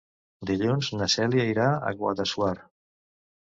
Dilluns na Cèlia irà a Guadassuar.